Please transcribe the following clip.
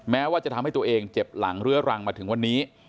แม้ว่าจะทำให้ตัวเองเจ็บหลังเรื้อรังมาถึงวันนี้